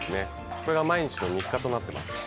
これが毎日の日課になってます。